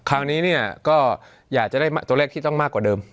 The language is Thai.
คราวนี้เนี่ยก็อยากจะได้ตัวเลขที่ต้องมากกว่าเดิม